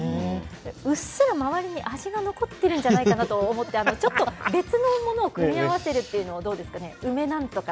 うっすら周りに味が残ってるんじゃないかと思って、ちょっと別のものを組み合わせるっていうのはどうですかね？